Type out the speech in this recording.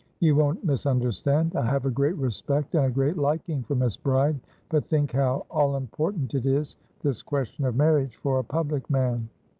You won't misunderstand. I have a great respect, and a great liking, for Miss Bride; but think how all important it is, this question of marriage for a public man."